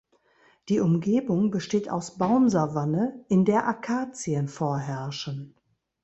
Die Umgebung besteht aus Baumsavanne, in der Akazien vorherrschen.